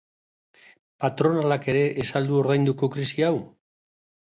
Patronalak ere ez al du ordainduko krisi hau?